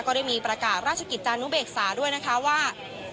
ก็ได้มีประกาศราชกิจจานุเบกษาด้วยนะคะว่า